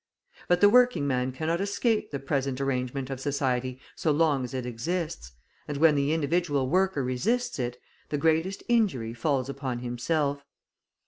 But the working man cannot escape the present arrangement of society so long as it exists, and when the individual worker resists it, the greatest injury falls upon himself.